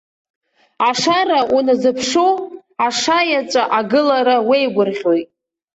Ашара уаназԥшу, ашаеҵәа агылара уеигәырӷьоит.